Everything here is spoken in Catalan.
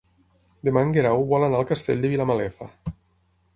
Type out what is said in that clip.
Demà en Guerau vol anar al Castell de Vilamalefa.